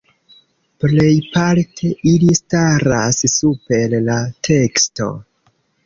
Plejparte ili staras super la teksto.